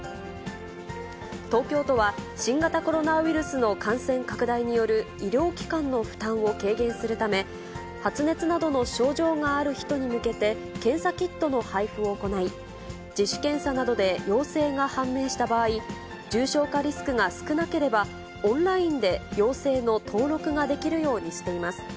東京都は、新型コロナウイルスの感染拡大による医療機関の負担を軽減するため、発熱などの症状がある人に向けて、検査キットの配布を行い、自主検査などで陽性が判明した場合、重症化リスクが少なければオンラインで陽性の登録ができるようにしています。